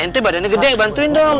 nanti badannya gede bantuin dong